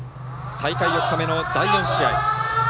大会４日目の第４試合。